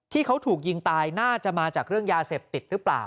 ที่เขาถูกยิงตายน่าจะมาจากเรื่องยาเสพติดหรือเปล่า